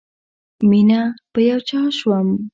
ميېنه په یو چا شم